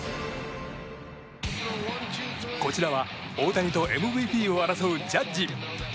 こちらは大谷とＭＶＰを争うジャッジ。